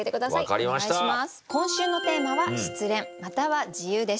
お願いします。